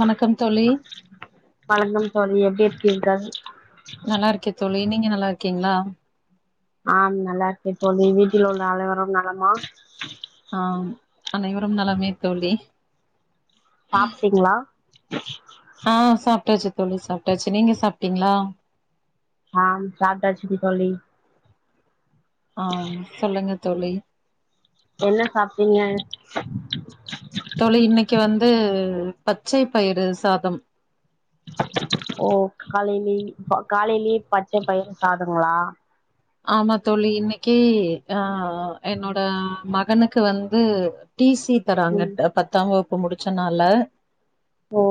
வணக்கம் தோழி வணக்கம் தோழி எப்டி இருக்கீங்க நல்லா இருக்கே தோழி நீங்க நல்லா இருக்கீங்களா ஆம் நல்லா இருக்கே தோழி வீட்டில் உள்ள அனைவரும் நலமா ஆம் அனைவரும் நலமே தோழி சாப்ட்டீங்களா அ சாப்ட்டாச்சு தோழி சாப்ட்டாச்சு நீங்க சாப்ட்டீங்களா அ சாப்ட்டாச்சுங்க தோழி அ சொல்லுங்க தோழி என்ன சாப்ட்டீங்க தோழி இன்னைக்கு வந்து பச்சை பயிறு சாதம் ஓ காலையில காலையிலயே பச்சை பயிரு சாதங்ளா ஆமா தோழி இன்னிக்கு அ என்னோட மகனுக்கு வந்து டீ சி தராங்க ம் பத்தாம் வகுப்பு முடிச்சனால ஓ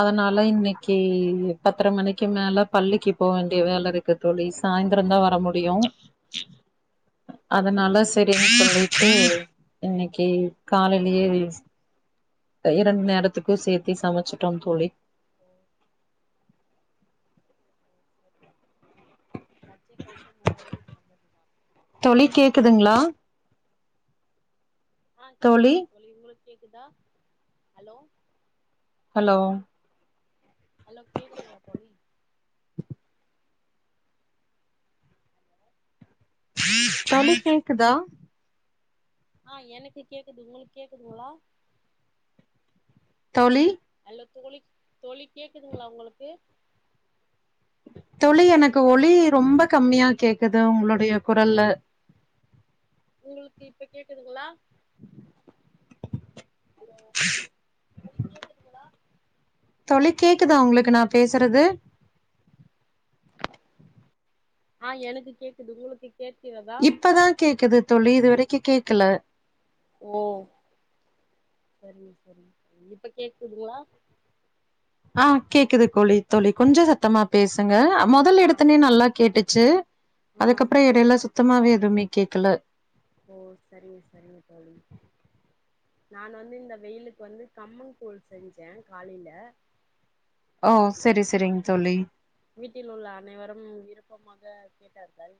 அதனால இன்னிக்கி பத்தர மணிக்கு மேல பள்ளிக்கு போ வேண்டிய வேல இருக்கு தோழி சாயிந்தர தா வர முடியு அதனால செரினு சொல்லிட்டு இன்னிக்கு காலையிலயே இரண்டு நேரத்துக்கு சேர்த்தி சமச்சிட்டோம் தோழி [inaudible] பச்சை பயிரு உடலுக்கு நல்லதுதா தோழி கேக்குதுங்களா அ கேக்குதுங்க தோழி உங்களுக்கு கேக்குதா ஹலோ ஹலோ ஹலோ கேக்குதுங்களா தோழி தோழி கேக்குதா அ எனக்கு கேக்குது உங்ளுக்கு கேக்குதுங்ளா தோழி ஹலோ தோழி தோழி கேக்குதுங்ளா உங்களுக்கு தோழி எனக்கு ஒலி ரொம்ப கம்மியா கேக்குது உங்களுடைய குரல்ல உங்ளுக்கு இப்ப கேக்குதுங்ளா [inaudible] தோழி கேக்குதா உங்களுக்கு நா பேசுறது அ எனக்கு கேக்குது உங்ளுக்கு கேக் இப்பதா கேக்குது தோழி இதுவரைக்கு கேக்கல ஓ இப்ப கேக்குதுங்ளா அ கேக்குது கோழி தோழி கொஞ்ச சத்தமா பேசுங்க மொதல் எடத்தன்னே நல்லா கேட்டுச்சு அதுக்கப்றோ எடையில சுத்தமாவே எதுவுமே கேக்கல ஓ செரிங்க செரிங்க தோழி நான் வந்து இந்த வெயிலுக்கு வந்து கம்மன் கூழ் செஞ்சே காலைல ஓ செரி செரிங்க தோழி வீட்டில் உள்ள அனைவரும் விருப்பமாக கேட்டார்கள்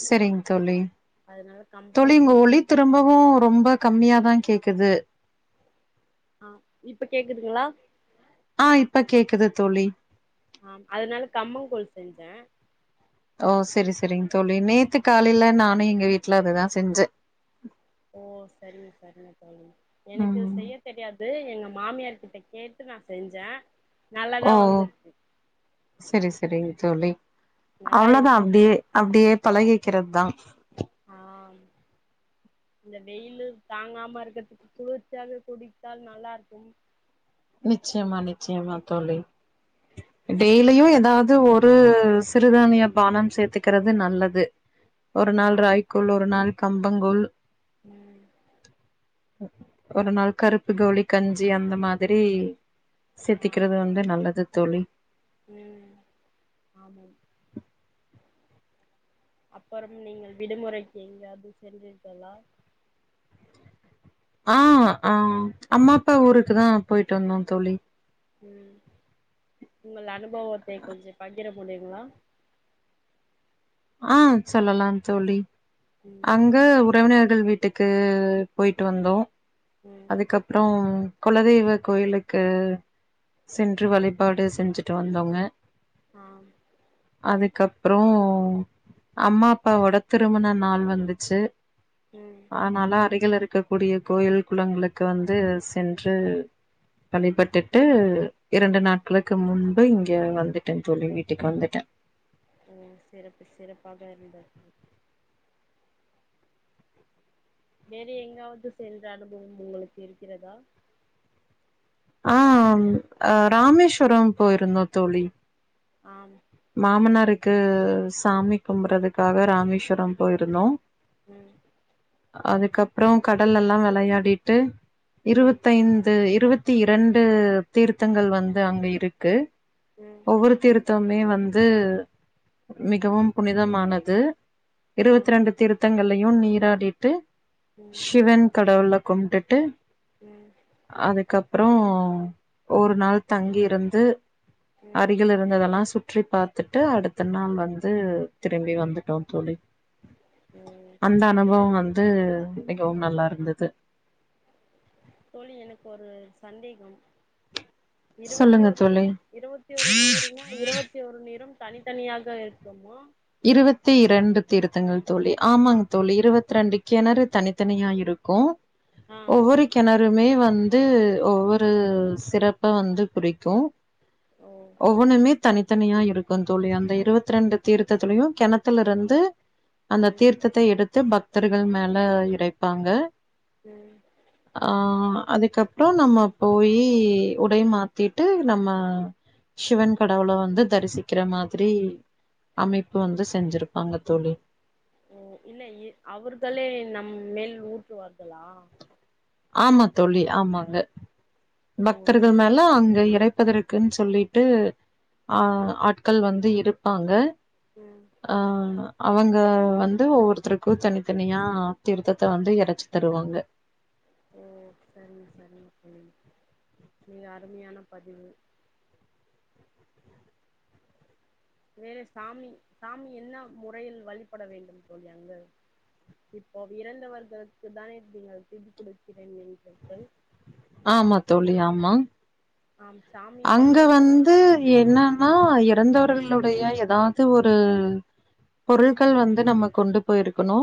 செரிங் தோழி தோழி உங்க ஒலி திரும்பவு ரொம்ப கம்மியாதா கேக்குது அ இப்ப கேக்குதுங்ளா அ இப்ப கேக்குது தோழி ஆம் அதனால் கம்மங்கூழ் செஞ்சே ஓ செரி செரிங் தோழி நேத்து காலைல நானு எங்க வீட்ல அதுதா செஞ்சே ஓ செரிங்க செரிங்க தோழி எனக்கு ம் செய்ய தெரியாது எங்க மா மாமியார் கிட்ட கேட்டு நா செஞ்சே ஓ செரி செரி தோழி அவ்வளதா அப்டியே அப்டியே பழகிக்கிறதுதா ஆ இந்த வெயிலு தாங்காம இருக்கிறதுக்கு குளிர்ச்சியாக குடித்தால் நல்லாருக்கும் நிச்சயமா நிச்சயமா தோழி டெய்லியு எதாவது ஒரு சிறுதானிய பானம் சேத்துக்கிறது நல்லது ஒரு நாள் ராய்க்கூழ் ஒரு நாள் கம்பங்கூழ் ம் ஒரு நாள் கருப்பு கவுழி கஞ்சி அந்த மாதிரி சேத்திக்கிறது வந்து நல்லது தோழி ம் ஆமாம் அப்பறம் நீங்கள் விடுமுறைக்கு எங்யாது சென்றிர்களா ஆ ஆ அம்மா அப்பா ஊருக்குதா போயிட்டு வந்தோ தோழி ம் உங்கள் அனுபவத்தை கொஞ்ச பகிர முடியுங்ளா ஆ சொல்லலாம் தோழி அங்க உறவினர்கள் வீட்டுக்கு போய்ட்டு வந்தோ அதுக்கப்றோ குலதெய்வ கோயிலுக்கு சென்று வழிபாடு செஞ்சுட்டு வந்தோங்க ஆம் அதுக்கப்றோ அம்மா அப்பாவோட திருமண நாள் வந்துச்சு அதனால அருகில் இருக் கக் கூடிய கோயில் குளங்களுக்கு வந்து சென்று வழிபட்டுட்டு இரண்டு நாட்களுக்கு முன்பு இங்க வந்துட்டே தோழி வீட்டுக்கு வந்துட்ட ஓ சிறப்பு சிறப்பாக இருந்த வேறு எங்காவது சென்ற அனுபவம் உங்களுக்கு இருக்கிறதா ஆ அ ராமேஸ்வரம் போயிருந்தோ தோழி ஆம் மாமனாருக்கு சாமி கும்புறதுக்காக ராமேஸ்வரம் போயிருந்தோ ம் அதுக்கப்பற கடலெல்லா வெளையாடிட்டு இருபத்தைந்து இருவத்தி இரண்டு தீர்த்தங்கள் வந்து அங்க இருக்கு ஒவ்வொரு தீர்த்தமுமே வந் து மிகவும் புனிதமானது இருபத்தி ரெண்டு தீர்த்தங்கள் லயு நீராடிட்டு ஷிவன் கடவுள கும்ப்டுட்டு அதுக்கப்றோ ஒரு நாள் தங்கி இருந்து அருகில் இருந்ததெல்லா சுற் றி பார்த்துட்டு அடுத்த நாள் வந்து திரும்பி வந்துட்டோ தோழி அந்த அனுபவ வந் து மிகவும் நல்லாருந்துது தோழி எனக்கொரு சந்தேகம் இருவத்தி சொல்லுங்க ஒரு தோழி இருவத்தி ஒரு நீருன்னா இருவத்தி ஒரு நீரும் தனித்தனியாக இருக்குமா இருவத்தி ரெண்டு தீர்த்தங்கள் தோழி ஆமாங் தோழி இருவத் ரெண்டு கெணறு தனித்தனியா இருக்கு ஒவ்வொரு கெண றுமே வந்து ஒவ்வொரு சிறப்ப வந்து குறிக்கு ஒவ்வொனுமே தனித்தனியா இருக்கும் தோழி அந்த இருவத்ரெண்டு தீர்த் ததலியும் கெணத்துலருந்து அந்த தீர்த்தத்த எடு து பக்தர்கள் மேல எறைப்பாங்க ஆ அதுக்கப்புறோ நம்ம போயி உடை மாத்திட்டு நம்ம ஷ்சிவன் கடவுள வந்து தரிசிக்கிற மாதிரி அமைப்பு வந்து செஞ்சிருப்பாங்க தோழி ஓ இல்ல இ அவ்ர்களே நம் மேல் ஊற்றுவார்களா ஆமா தோழி ஆமாங்க பக்தர்கள் மேல அங்க இறைப் ப்பதருக்குன்னு சொல்லிட்டு ஆ ஆட்கள் வந்து இருப்பாங்க அ அவங்க வந்து ஒவ்வொருத்தருக்கு தனித்தனியா தீர்த்தத்த வந்து எறச்சி தருவாங்க ம் சரிங்க சரிங்க தோழி மிக அருமையான பதிவு வேறே சாமி சாமி என்ன முறையில் வழிபட வேண்டு தோழி அங்க இப்போ இறந்தவர்களுக்கு தானே நீங்க திதி குடுக்கிறே என்கிறிர்கள் ஆமா தோழி ஆமா ஆம் அங்க வந்து என்னன்னா எப் இறந்தவர்களுடைய ஏதாவுது ஒரு பொருள்கள் வந்து நம்ம கொண்டு போயிருக்கணு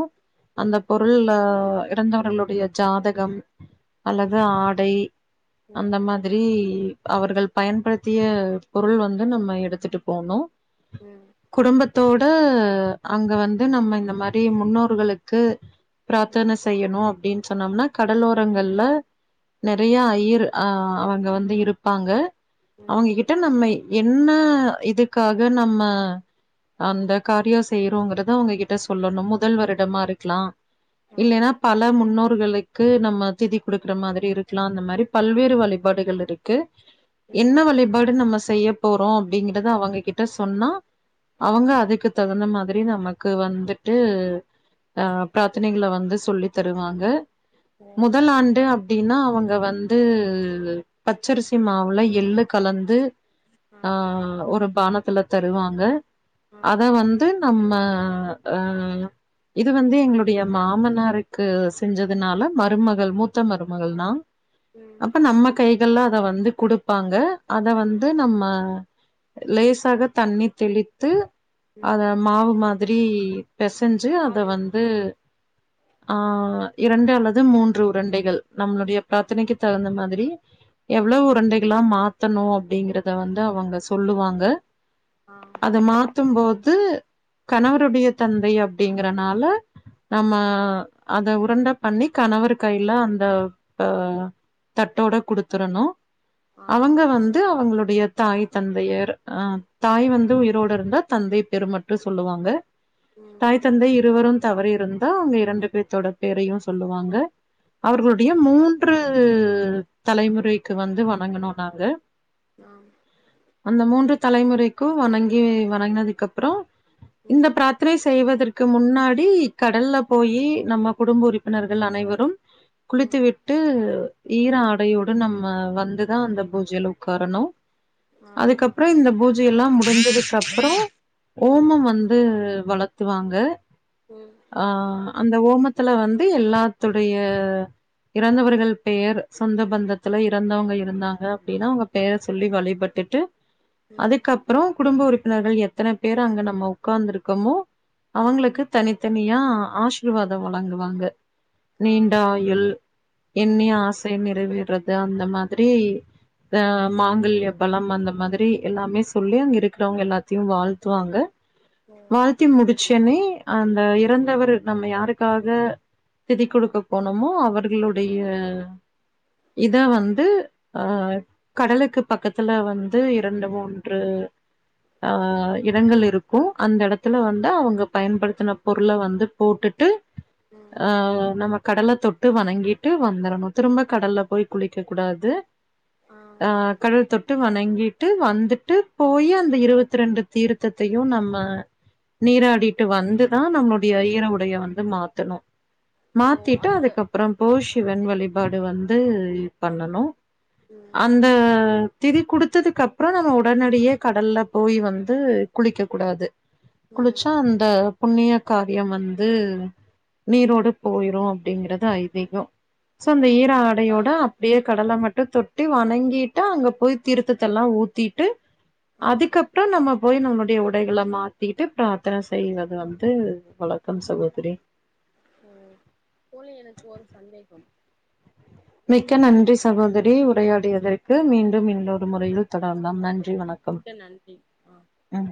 அந்த பொருள்ள இறந்தவர்களுடைய ஜாதகம் அல்லது ஆடை அந்த மாதரி அவர்கள் பயன்படுத்திய பொருள் வந்து நம்ம எடுத்துட்டு போனு குடும்பத்தோட [inaudible] அங்க வந்து நம்ம இந்த மாரி முன்னோர்களுக்கு பிராத்தன செய்யணு அப்டின்னு சொன்னோம்னா கடலோரங்கள்ல நெறைய ஐயிரு அ அவங்க வந்து இருப்பாங்க அவங்ககிட்ட நம்ம என்ன இதுக்காக நம்ம அந்த காரியோ செய்யறோங்கறத அவுங்ககிட்ட சொல்லணு முதல் வருடமா இருக்கலா இல்லன்னா பல முன்னோ ர்களுக்கு நம்ம திதி குடுக்கற மாதரி இருக்கலா அந்த மாரி பல்வேறு வழிபாடுகள் இருக்கு என்ன வழிபாடு நம்ம செய்ய போறோ அப்டிங்கறத அவுங்க கிட்ட சொன்னா அவங்க அதுக்கு தகுந்த மா திரி நமக்கு வந்துட்டு அ பிராத்தனைகள வந்து சொல்லி தருவாங்க முதல் ஆண்டு அப்டின்னா அவங்க வந்து பச்சரிசி மா வுல எள்ளு கலந்து ஆ ஒரு பானத்துல தருவாங்க அத வந்து நம்ம ஆ இது வந்து எங்களுடைய மாமனாருக்கு செஞ்சதுனால மருமகள் மூத்த மருமகள் நா அப்ப நம்ம கைகள்ல அத வந்து குடுப்பாங்க அத வந்து நம்ம லேசாக தண்ணி தெளித்து அத மாவு மாதரி பெசைஞ்சு அத வந்து ஆ இரண்டு அல்லது மூன்று உரண்டைகள் நம்மளுடைய பிராத்தனைக்கு தகுந்த மாதரி எவ்ளோ உரண்டை மாத்தணு அப்டிங்கறத வந்து அவங்க சொல்லுவாங்க அத மாத்தும்போது கணவருடைய தந்தை அப் டிங்கறனால நம்ம அத உருண்டா பண்ணி கணவர் கையில அந்த த தட்டோட குடுத்துடணு அவங்க வந்து அவங்க ளுடைய தாய் தந்தையர் அ தாய் வந்து உயிரோடு இருந்தா தந்தை பேரு மட்டு சொல்லுவாங்க தாய் தந்தை இருவரும் தவறி இருந்தா அவுங்க இரண்டு பேத்தோட பேரையு சொல்லுவாங்க அவர்களுடைய மூன்று தலைமுறைக்கு வந்து வணங்கணு நாங்க அந்த மூன்று தலைமுறைக்கு வணங்கி வணங்கினதுக்குப்பறோ இந்த பிராத்தனை செய்வதற்கு முன்னாடி கடல்ல போயி நம்ம குடும்ப உறுப்பினர்கள் அனைவரும் குளித்து விட்டு ஈர ஆடையோடு நம்ம வந்து தா அந்த பூஜையில உக்காரனு அதுக்கப்பறோ இந்த பூஜை எல்லா முடிஞ்சதுக்கு அப்றோ ஓமம் வந்து வளத்துவாங்க ஆ அந்த ஓமத் த்துல வந்து எல்லாத்துடைய இறந்தவர்கள் பெயர் சொந்த பந்தத்துல இறந்தவங்க எ இருந்தாங்க அப்டின்னா அவங்க பெர சொல்லி வழிபட்டுட்டு அதுக்கப்றோ குடும்ப உறுப் ப்பினரு நம்ம எத்தன பேர் அங்க நம்ம உட்கார்ந்து இருக்கோமோ அவங்களுக்கு தனி தனியா ஆசிர்வாதோ வழங்குவாங்க நீண்ட ஆயுள் எண்ணிய ஆசை நிறைவேற்றது அந்த மாரி அ மாங்கல்ய பலம் அந்த மாதிரி எல்லாமே சொல்லி அங்க இருக்கிறவங்க எல்லாத்தையு வாழ்த்துவாங்க வாழ்த்தி முடிச்சேன்னே அந்த இறந்தவர் நம்ம யாருக்காக திதி குடுக்க போனமோ அவர்களுடைய இத வந்து அ கடலுக்கு பக்கத்துல வந்து இரண்டு மூன்று அ இடங்கள் இருக்கு‌ அந்த எடத்துல வந்து அவங்க பயன்படுத்தின பொருள வந்து போட்டுட்டு அ நம கடல தொட்டு வணங்கிட்டு வந்துரணு திரும்ப கடல்ல போய் குளிக்க கூடாது ஆ அ கடல் தொட் ட்டு வணங்கிட்டு வந்துட்டு போய் அந்த இருவத்தி ரெண்டு தீர்த்தத்தையு நம்ம நீராடிட்டு வந்துதா நம்மளுடைய ஈர உடையை வந்து மாத்தணு மாத்திட்டு அதுக்கப்றோ போய் சிவன் வழிபாடு வந்து பண்ணணு அந்த திதி குடுத்ததுக்கு அப்றோ நம்ம ஒடனடியா கடல்ல போய் வந்து குளிக்க கூடாது குளிச்சா அந்த புண்ணிய காரியோ வந்து நீரோடு போயிரு அப்டிங்கிறது அய்திகம் சோ அந்த ஈர ஆடையோட அப்டியே கடல மட் தொட்டு வணங்கிட்டு அங்க போய் தீர்த்தத்த எல்லா ஊத்திட்டு அதுக்கப்றோ நம்ம போய் நம் அப்டியே உடைகள மாத்திட்டு பிராத்தன செய்வது வந்து வழக்கம் சகோதரி போல எனக்கு ஒரு சந்தேகம் மிக்க நன்றி சகோதரி உரையாடியதற்கு மீண்டும் இன்னொ ரு முறையில் தொடரலாம் நன்றி வணக்கம் ம்